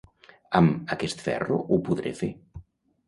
Amb aquest ferro ho podré fer.